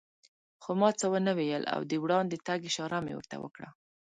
خو ما څه و نه ویل او د وړاندې تګ اشاره مې ورته وکړه.